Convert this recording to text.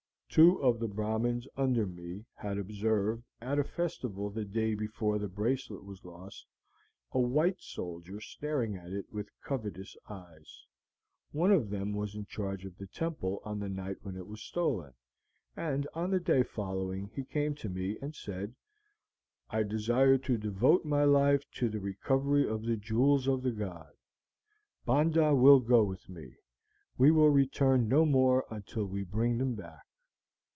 "Two of the Brahmins under me had observed, at a festival the day before the bracelet was lost, a white soldier staring at it with covetous eyes. One of them was in charge of the temple on the night when it was stolen, and on the day following he came to me, and said, 'I desire to devote my life to the recovery of the jewels of the god. Bondah will go with me; we will return no more until we bring them back.'